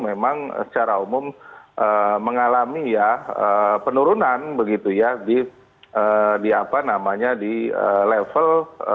memang secara umum mengalami penurunan di level tiga ratus delapan puluh satu